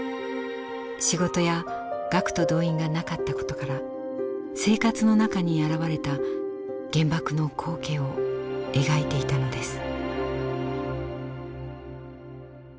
仕事や学徒動員がなかったことから生活の中に現れた原爆の光景を描いていたのです。